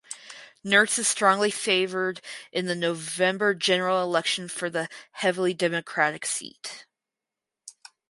Nurse is strongly favored in the November general election for the heavily Democratic seat.